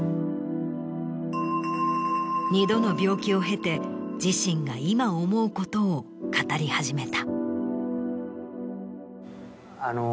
２度の病気を経て自身が今思うことを語り始めた。